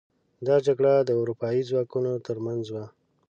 دا جګړه د اروپايي ځواکونو تر منځ وه.